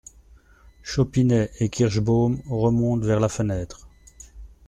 Chopinet et Kirschbaum remontent vers la fenêtre.